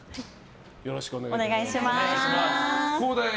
よろしくお願いします。